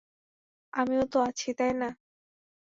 আমিও তো আছি, তাই না?